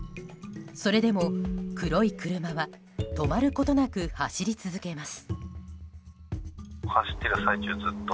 それでも黒い車は止まることなく走り続けます。